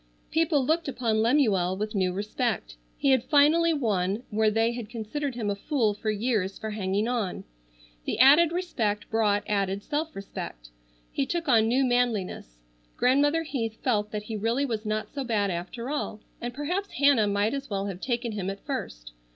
People looked upon Lemuel with new respect. He had finally won where they had considered him a fool for years for hanging on. The added respect brought added self respect. He took on new manliness. Grandmother Heath felt that he really was not so bad after all, and perhaps Hannah might as well have taken him at first.